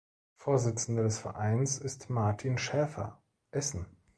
Vorsitzender des Vereins ist Martin Schäfer, Essen.